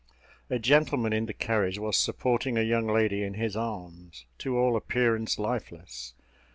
A gentleman in the carriage was supporting a young lady in his arms, to all appearance lifeless.